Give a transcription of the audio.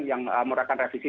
yang merakan revisi